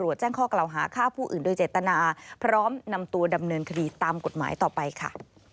แจ้งข้อกล่าวหาฆ่าผู้อื่นโดยเจตนาพร้อมนำตัวดำเนินคดีตามกฎหมายต่อไปค่ะ